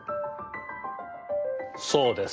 そうです。